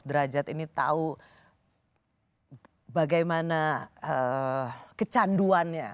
derajat ini tahu bagaimana kecanduannya